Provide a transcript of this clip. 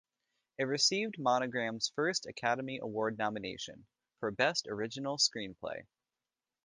It received Monogram's first Academy Award nomination, for Best Original Screenplay.